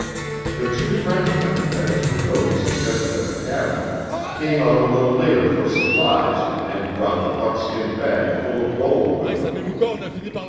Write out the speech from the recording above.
The two Frenchmen, as Mukoki suggested at the cabin, came out a little later for supplies, and brought the buckskin bag full of gold with them.